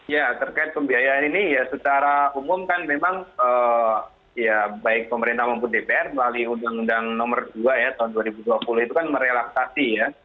ya terkait pembiayaan ini ya secara umum kan memang ya baik pemerintah maupun dpr melalui undang undang nomor dua ya tahun dua ribu dua puluh itu kan merelaksasi ya